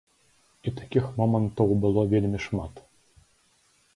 І такіх момантаў было вельмі шмат.